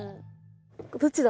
どっちだ？